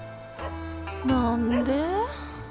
何で？